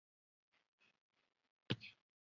谨慎管理社团内贴文